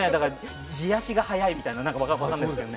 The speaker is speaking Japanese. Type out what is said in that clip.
地足が速いみたいな分からないですけど。